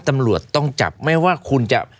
ตำรวจต้องจับไม่ว่าคุณจะ